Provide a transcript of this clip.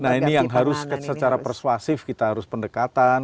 nah ini yang harus secara persuasif kita harus pendekatan